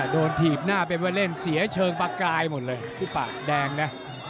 ถีบหน้าเป็นว่าเล่นเสียเชิงประกายหมดเลยผู้ปากแดงนะ